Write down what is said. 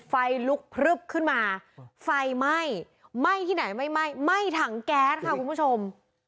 ไฟลุกพลึบขึ้นมาไฟไหม้ไหม้ที่ไหนไม่ไหม้ไหม้ถังแก๊สค่ะคุณผู้ชม